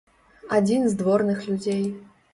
Адзін з дворных людзей.